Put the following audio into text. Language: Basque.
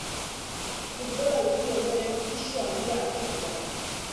Futbola utzi ondoren pisu handia hartu zuen.